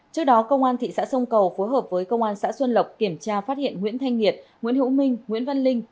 trước đó công an thị xã sông cầu phối hợp với công an xã xuân lộc kiểm tra phát hiện nguyễn thanh nhiệt nguyễn hữu minh nguyễn văn linh